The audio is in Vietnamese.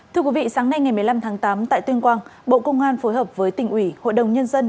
thưa quý vị sáng nay ngày một mươi năm tháng tám tại tuyên quang bộ công an phối hợp với tỉnh ủy hội đồng nhân dân